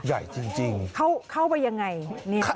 ใหญ่จริงเข้าไปยังไงเนี่ยค่ะ